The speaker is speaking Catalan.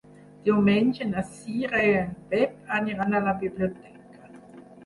Diumenge na Cira i en Pep aniran a la biblioteca.